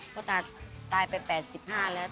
ตาตายไป๘๕แล้ว